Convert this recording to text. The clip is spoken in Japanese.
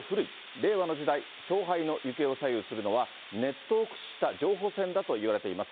令和の時代、勝敗の行方を左右するのは、ネットを駆使した情報戦だといわれています。